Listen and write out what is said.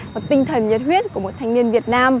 và tinh thần nhiệt huyết của một thanh niên việt nam